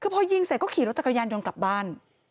คือพอยิงเสร็จก็ขี่รถจักรยานยนต์กลับบ้าน